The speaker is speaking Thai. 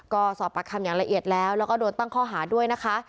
ก็สอบปากคำอย่างละเอียดแล้วแล้วก็โดนตั้งข้อหาด้วยนะคะ